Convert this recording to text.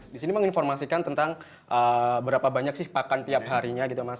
di sini menginformasikan tentang berapa banyak pakan setiap harinya